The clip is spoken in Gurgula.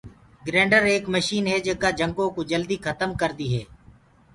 گرينڊر ايڪ مشن هي جينڪآ جنگو ڪوُ جلدي کتم ڪردي هي۔